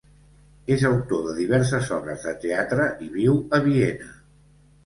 És autor de diverses obres de teatre i viu a Viena.